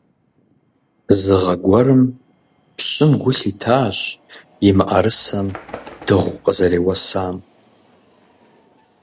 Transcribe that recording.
Зы гъэ гуэрым пщым гу лъитащ и мыӀэрысэм дыгъу къызэреуэсам.